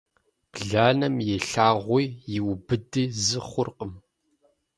Бланэм и лъагъуи и убыди зы хъуркъым.